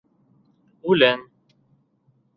— Үлән.